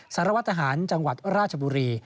สารวัตรทหารจังหวัดราชบุรี